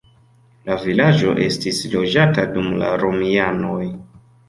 La vilaĝo estis loĝata dum la romianoj.